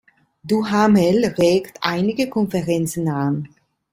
Duhamel regt einige Konferenzen an.